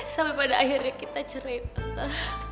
sampai pada akhirnya kita ceritakan